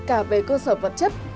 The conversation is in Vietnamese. cả về cơ sở vật chất